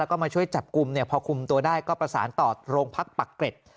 แล้วก็มาช่วยจับกลุ่มเนี่ยพอคุมตัวได้ก็ประสานต่อโรงพักปักเกร็ด